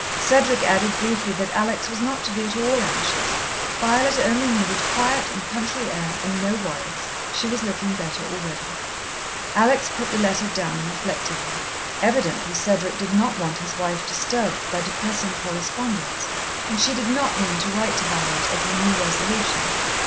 Cedric added briefly that Alex was not to be at all anxious. Violet only needed quiet and country air, and no worries. She was looking better already. Alex put the letter down reflectively. Evidently Cedric did not want his wife disturbed by depressing correspondence, and she did not mean to write to Violet of her new resolution.